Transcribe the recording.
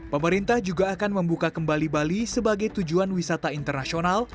pemerintah juga akan membuka kembali bali sebagai tujuan wisata internasional